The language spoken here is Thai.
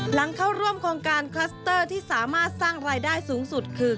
หลังเข้าร่วมโครงการคลัสเตอร์ที่สามารถสร้างรายได้สูงสุดคือ